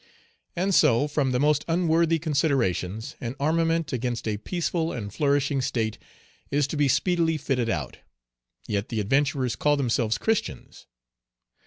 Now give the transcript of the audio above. And so, from the most unworthy considerations, an armament against a peaceful and flourishing state is to be speedily fitted out. Yet the adventurers call themselves Christians.